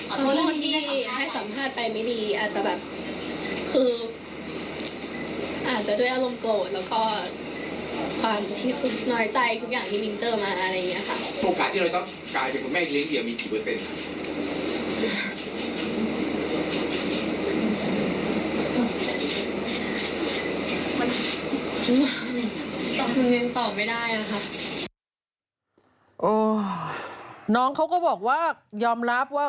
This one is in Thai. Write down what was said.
ขอโทษที่ให้สัมภาษณ์ไปไม่ดีอาจจะแบบ